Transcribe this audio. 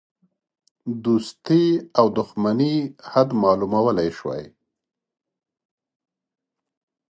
د دوستی او دوښمنی حد معلومولی شوای.